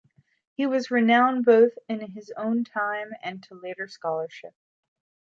He was renowned both in his own time and to later scholarship.